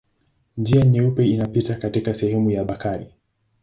Njia Nyeupe inapita katika sehemu ya Bakari.